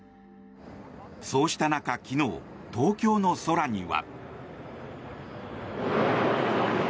そうした中、昨日東京の空には。